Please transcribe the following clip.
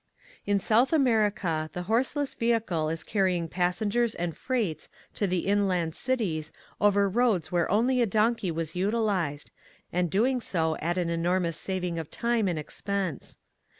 In South America the horseless ve hicle is carrying passengers and freights to the inland cities over roads where only the donkey was utilized, and doing so at an enormous saving of time and expense.